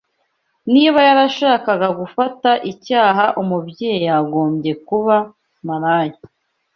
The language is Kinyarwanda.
Niba yarashakaga gufata icyaha Umubyeyi yagombye kuba maraya